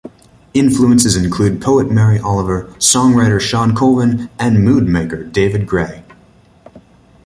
Influences include poet Mary Oliver, songwriter Shawn Colvin, and mood maker David Gray.